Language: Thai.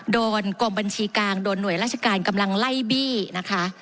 กรมบัญชีกลางโดนหน่วยราชการกำลังไล่บี้นะคะ